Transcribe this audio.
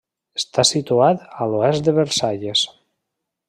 Està situat a l'oest de Versalles.